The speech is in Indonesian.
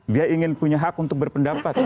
dia ingin punya hak untuk berpendapat